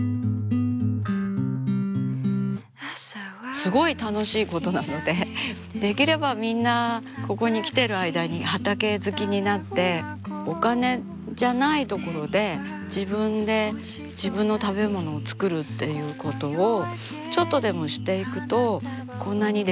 すごい楽しいことなのでできればみんなここに来てる間に畑好きになってお金じゃないところで自分で自分の食べ物を作るっていうことをちょっとでもしていくとこんなにできるようになるので。